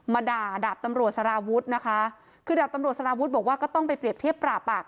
มาด่าดาบตำรวจสารวุฒินะคะคือดาบตำรวจสารวุฒิบอกว่าก็ต้องไปเปรียบเทียบปรับอ่ะ